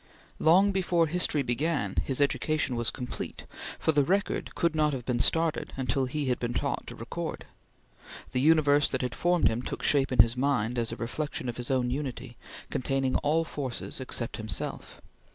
Long before history began, his education was complete, for the record could not have been started until he had been taught to record. The universe that had formed him took shape in his mind as a reflection of his own unity, containing all forces except himself.